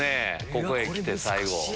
ここへきて最後。